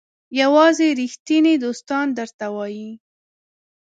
یوازې ریښتیني دوستان درته وایي.